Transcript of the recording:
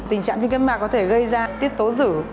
tình trạng viêm kết mạc có thể gây ra tiết tố rử